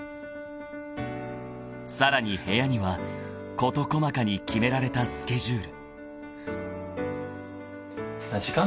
［さらに部屋には事細かに決められたスケジュール］